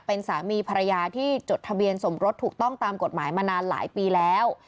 เป็นสามีภรรยาที่จดทะเบียนสมรสถูกต้องตามกฎหมายมานานหลายปีแล้ว